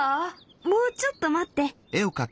もうちょっと待って。